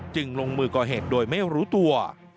ลงมือก่อเหตุโดยไม่รู้ตัว